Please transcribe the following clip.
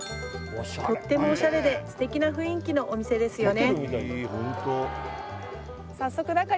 とってもおしゃれですてきな雰囲気のお店ですよね